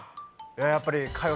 やっぱり。